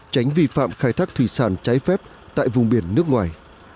tránh vi phạm khai thác thủy sản trái phép tại vùng biển nước ngoài